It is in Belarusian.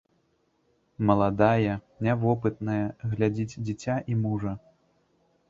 Маладая, нявопытная, глядзіць дзіця і мужа.